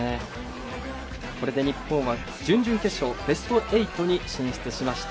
これで日本は準々決勝ベスト８に進出しました。